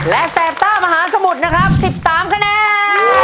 และแสบต้ามหาสมุทรนะครับ๑๓คะแนน